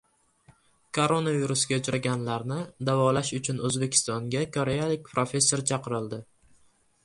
Koronavirusga uchraganlarni davolash uchun O‘zbekistonga koreyalik professor chaqirildi